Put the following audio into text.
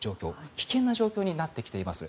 危険な状況になってきています。